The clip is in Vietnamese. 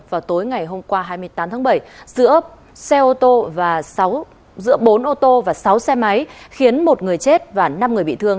vào tối ngày hôm qua hai mươi tám tháng bảy giữa bốn ô tô và sáu xe máy khiến một người chết và năm người bị thương